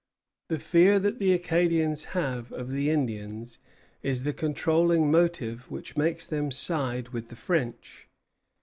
"The fear that the Acadians have of the Indians is the controlling motive which makes them side with the French.